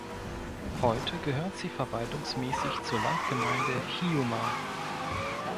Heute gehört sie verwaltungsmäßig zur Landgemeinde Hiiumaa.